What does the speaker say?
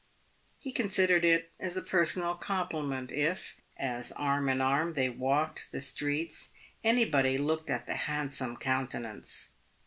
♦ He considered it as a personal compliment if, as arm in arm they walked the streets, anybody looked at the handsome countenance.